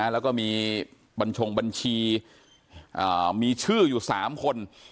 แล้วก็มีบัญชงบัญชีมีชื่ออยู่๓คน